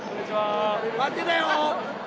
待ってたよ。